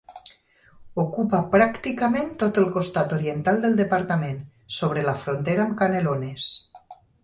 Ocupa pràcticament tot el costat oriental del departament, sobre la frontera amb Canelones.